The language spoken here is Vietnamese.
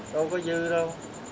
đâu có dư đâu